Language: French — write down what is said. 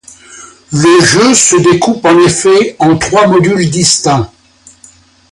Le jeu se découpe en effet en trois modules distincts.